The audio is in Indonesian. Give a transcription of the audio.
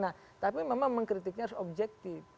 nah tapi memang mengkritiknya harus objektif